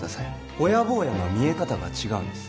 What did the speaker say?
ホヤぼーやの見え方が違うんです